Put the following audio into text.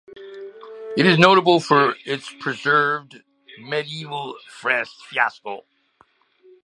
It is notable for its preserved medieval fresco.